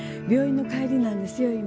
病院の帰りなんですよ